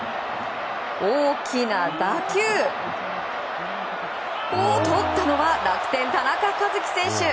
大きな打球。を、とったのは楽天、田中和基選手。